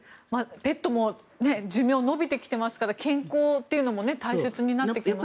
ペットも寿命が延びてきてますから健康というのも大切になってきますね。